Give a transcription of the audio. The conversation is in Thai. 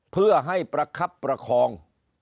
เพื่อให้ประคับประคอง